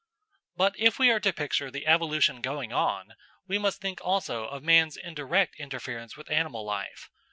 But if we are to picture the evolution going on, we must think also of man's indirect interference with animal life.